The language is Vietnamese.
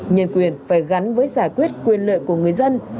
nhân quyền phải gắn với giải quyết quyền lợi của người dân